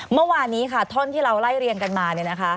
เมื่อวานนี้ค่ะท่อนที่เราไล่เรียงกันมา